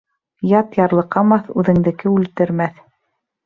Ят ярлыҡамаҫ, үҙеңдеке үлтермәҫ.